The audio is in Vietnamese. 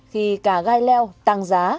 khi cá gai leo tăng giá